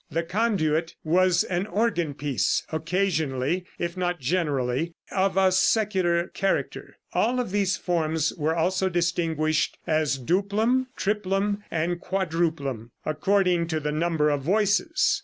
The conduit was an organ piece, occasionally, if not generally, of a secular character. All of these forms were also distinguished as duplum, triplum and quadruplum, according to the number of voices.